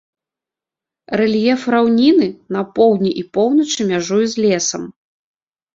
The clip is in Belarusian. Рэльеф раўнінны, на поўдні і поўначы мяжуе з лесам.